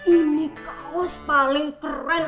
ini kaos paling keren